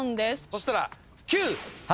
そしたら９。